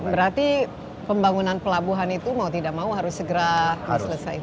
berarti pembangunan pelabuhan itu mau tidak mau harus segera diselesaikan